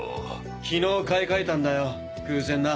きのう買い替えたんだよ偶然な。